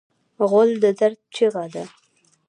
غول د درد چیغه ده.